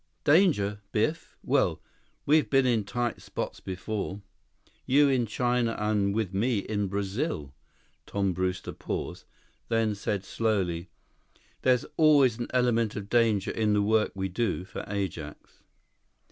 "Danger, Biff? Well, we've been in tight spots before. You, in China, and with me in Brazil." Tom Brewster paused, then said slowly, "There's always an element of danger in the work we do for Ajax."